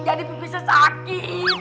jadi bisa sakit